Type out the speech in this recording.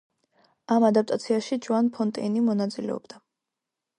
ამ ადაპტაციაში ჯოან ფონტეინი მონაწილეობდა.